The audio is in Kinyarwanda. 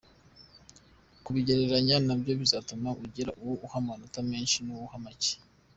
Kubigereranya nabyo bizatuma ugira uwo uha amanota menshi n’uwo uha make.